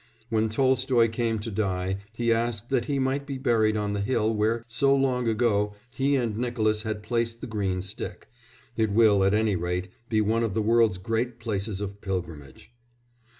When Tolstoy came to die he asked that he might be buried on the hill where, so long ago, he and Nicolas had placed the green stick; it will, at any rate, be one of the world's great places of pilgrimage.